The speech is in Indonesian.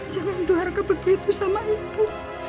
jangan do'a raka begitu sama ibu